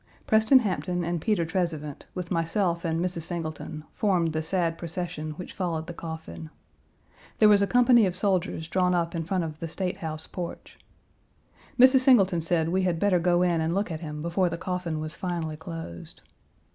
Preston Hampton and Peter Trezevant, with myself and Mrs. Singleton, formed the sad procession which followed the coffin. There was a company of soldiers drawn up in front of the State House porch. Mrs. Singleton said we had better go in and look at him before the coffin was finally closed.